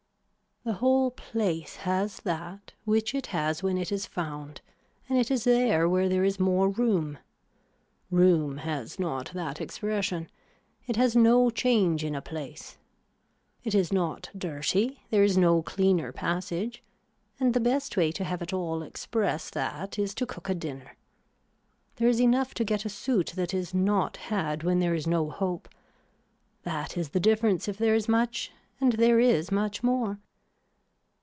The whole place has that which it has when it is found and it is there where there is more room. Room has not that expression. It has no change in a place. It is not dirty, there is no cleaner passage and the best way to have it all express that is to cook a dinner. There is enough to get a suit that is not had when there is no hope. That is the difference if there is much and there is much more.